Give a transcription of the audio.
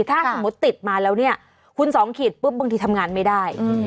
ถ้าสมมุติติดมาแล้วเนี่ยคุณ๒ขีดปุ๊บบางทีทำงานไม่ได้